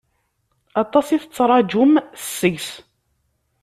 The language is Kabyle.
Aṭas i tettṛaǧum seg-s.